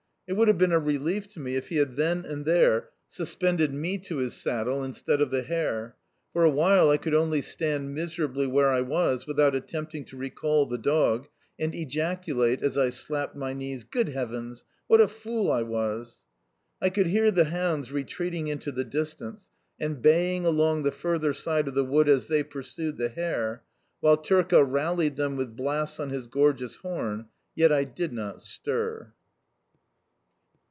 It would have been a relief to me if he had then and there suspended me to his saddle instead of the hare. For a while I could only stand miserably where I was, without attempting to recall the dog, and ejaculate as I slapped my knees, "Good heavens! What a fool I was!" I could hear the hounds retreating into the distance, and baying along the further side of the wood as they pursued the hare, while Turka rallied them with blasts on his gorgeous horn: yet I did not stir.